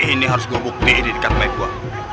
ini harus gue bukti di dekat baik gue